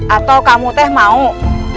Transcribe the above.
atau kamu teh mau nyai mati